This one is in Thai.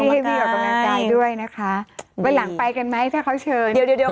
ที่ให้พี่ออกมาได้ด้วยนะคะวันหลังไปกันไหมถ้าเขาเชิญเดี๋ยวเดี๋ยวเดี๋ยว